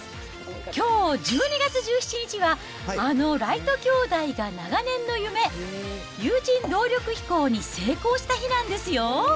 きょう１２月１７日は、あのライト兄弟が長年の夢、有人動力飛行に成功した日なんですよ。